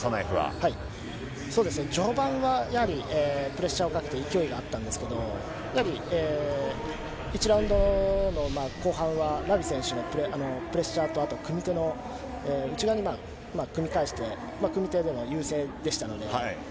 序盤はやはり、プレッシャーをかけて勢いがあったんですけど、やはり１ラウンドの後半はラビ選手のプレッシャーと、あと組み手の、内側に組み返して、組み手では優勢でしたので。